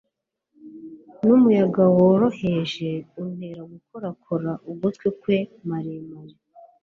Numuyaga woroheje untera gukorakora ugutwi kwe maremare